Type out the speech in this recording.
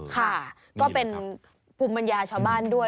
ค่ะก็เป็นปุ่มบรรยาชาวบ้านด้วย